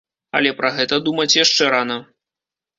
Але пра гэта думаць яшчэ рана.